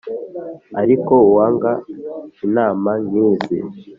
Ariko uwanga inama nk`izi